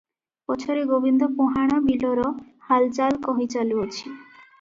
ପଛରେ ଗୋବିନ୍ଦ ପୁହାଣ ବିଲର ହାଲଚାଲ କହି ଚାଲୁଅଛି